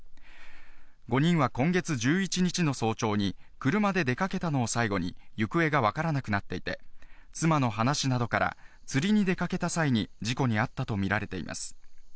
５人は今月１１日の早朝に車で出かけたのを最後に行方がわからなくなっていて、妻の話などから、釣りに出かけた際に事故に遭ったとみられています。